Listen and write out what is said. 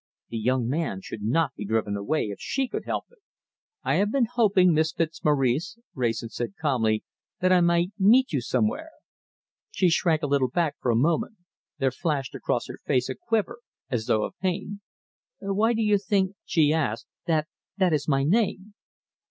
This young man should not be driven away if she could help it! "I have been hoping, Miss Fitzmaurice," Wrayson said calmly, "that I might meet you somewhere." She shrank a little back for a moment. There flashed across her face a quiver, as though of pain. "Why do you think," she asked, "that that is my name?"